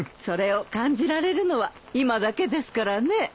それを感じられるのは今だけですからね。